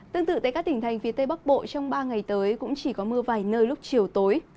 tương tự tại các tỉnh thành phía tây bắc bộ trong ba ngày tới cũng chỉ có mưa vài nơi lúc chiều tối